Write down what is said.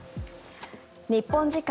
日本時間